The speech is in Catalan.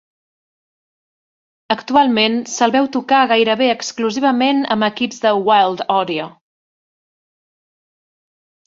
Actualment, se'l veu tocar gairebé exclusivament amb equips de Wylde Audio.